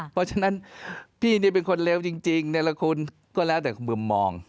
เพราะฉะนั้นพี่นี่เป็นคนเลวจริงเนรคุณก็แล้วแต่มุมมอง